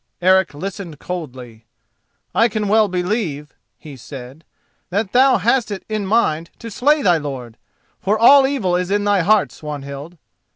Eric listened coldly. "I can well believe," he said, "that thou hast it in mind to slay thy lord, for all evil is in thy heart, Swanhild.